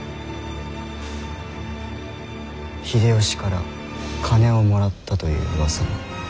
秀吉から金をもらったといううわさも。